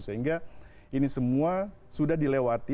sehingga ini semua sudah dilewati